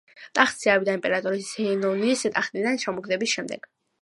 ტახტზე ავიდა იმპერატორ ზენონის ტახტიდან ჩამოგდების შემდეგ.